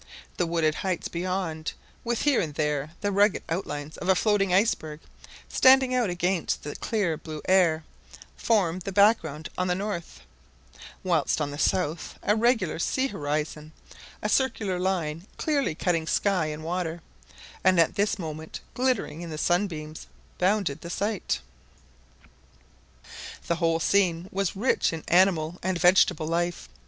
The wooded heights beyond, with here and there the rugged outline of a floating iceberg standing out against the clear blue air, formed the background on the north; whilst on the south a regular sea horizon, a circular line clearly cutting sky and water, and at this moment glittering in the sunbeams, bounded the sight. The whole scene was rich in animal and vegetable life.